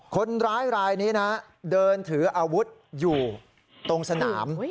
คนร้ายรายนี้นะเดินถืออาวุธอยู่ตรงสนาม